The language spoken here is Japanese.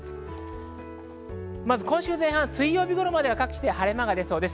今週前半、水曜日頃までは各地で晴れ間が出そうです。